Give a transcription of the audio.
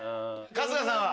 春日さんは？